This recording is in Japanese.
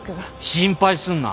心配すんな。